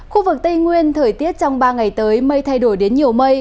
khu vực tây nguyên thời tiết trong ba ngày tới mây thay đổi đến nhiều mây